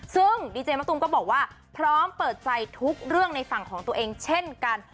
ซึ่งดีเจมะตูมก็บอกว่าพร้อมเปิดใจทุกเรื่องในฝั่งของตัวเองเช่นกัน